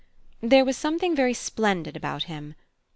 There was something very splendid about him.